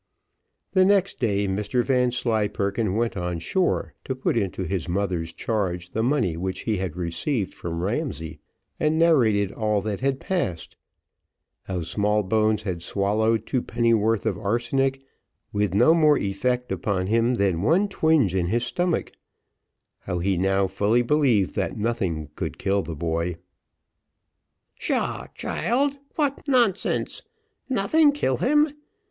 The next day, Mr Vanslyperken went on shore, to put into his mother's charge the money which he had received from Ramsay, and narrated all that had passed how Smallbones had swallowed two pennyworth of arsenic with no more effect upon him than one twinge in his stomach, and how he now fully believed that nothing would kill the boy. "Pshaw! child phut! nonsense! nothing kill him?